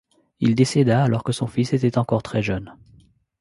Il décéda alors que son fils était encore très jeune.